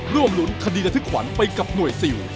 ร่วมรุนคดีรธึกขวัญไปกับหน่วยสิว